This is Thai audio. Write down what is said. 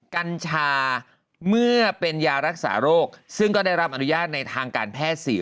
กัญชาเมื่อเป็นยารักษาโรคซึ่งก็ได้รับอนุญาตในทางการแพทย์๔